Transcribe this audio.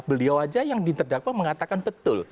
beliau aja yang diterdakwa mengatakan betul